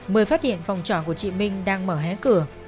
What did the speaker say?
mới phát hiện phòng trọ của chị minh đang mở hé cửa